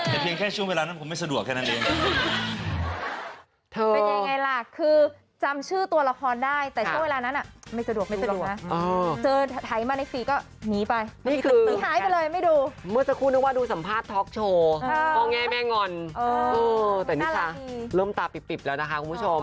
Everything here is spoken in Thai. แต่เพียงแค่ช่วงเวลานั้นผมไม่สะดวกแค่นั้นเอง